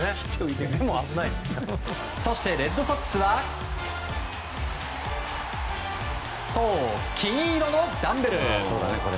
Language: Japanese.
そして、レッドソックスはそう、金色のダンベル。